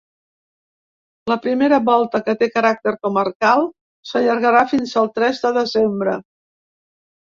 La primera volta, que té caràcter comarcal, s’allargarà fins al tres de desembre.